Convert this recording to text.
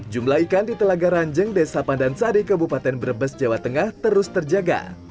jumlah ikan di telaga ranjeng desa pandansari kabupaten brebes jawa tengah terus terjaga